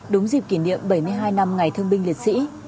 đúng dịp kỷ niệm bảy mươi hai năm ngày thương binh liệt sĩ